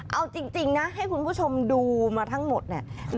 เอาจริงนะให้คุณผู้ชมดูมาทั้งหมดเนี่ย